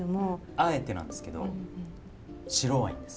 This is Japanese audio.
あえてなんですけど白ワインです。